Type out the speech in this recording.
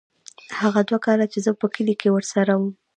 هغه دوه کاله چې زه په کلي کښې ورسره وم.